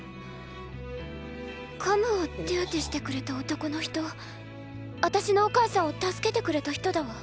カムを手当てしてくれた男の人あたしのお母さんを助けてくれた人だわ。